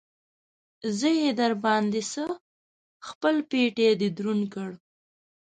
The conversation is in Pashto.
زه يې در باندې څه؟! خپل پټېی دې دروند کړ.